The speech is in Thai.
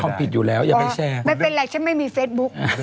ไม่เป็นไรฉันไม่มีเฟซบุ๊ก